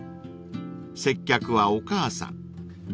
［接客はお母さん］